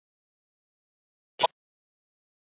色码标示的电阻其单位取欧姆。